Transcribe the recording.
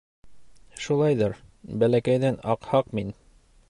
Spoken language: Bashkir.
— Шулайҙыр... бәләкәйҙән аҡһаҡ мин.